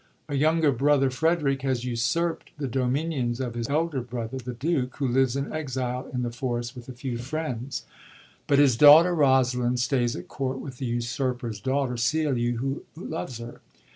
« A younger brother, Frederick, has usurpt the dominions of his elder brother, the Duke, who lives in exile in the forest with a few friends. But his daiighter RosaUnd stays at Court with the usurper's daughter, Celia, who loves her.